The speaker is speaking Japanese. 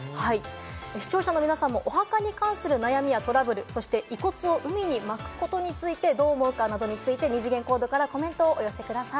視聴者の皆さんもお墓に関する悩みやトラブル、遺骨を海に撒くことについてどう思うか、二次元コードからコメントをお寄せください。